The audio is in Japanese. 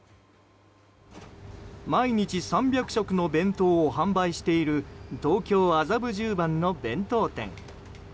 毎日３００食の弁当を販売している東京・麻布十番の弁当店。